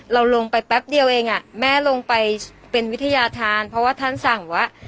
เราลงไปแป๊บเดียวเองแม่ลงไปเป็นวิทยาธารเพราะว่าท่านสั่งว่า